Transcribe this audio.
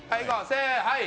せーのはい！